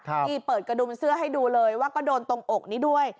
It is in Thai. นี่เปิดกระดุมเสื้อให้ดูเลยว่าก็โดนตรงอกนี้ด้วย